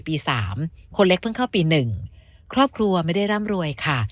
ปี๓คนเล็กเพิ่งเข้าปี๑ครอบครัวไม่ได้ร่ำรวยค่ะ